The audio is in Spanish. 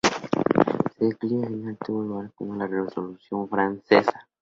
Su declive final tuvo lugar con la Revolución francesa.